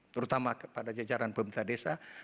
terutama kepada jajaran pemerintah desa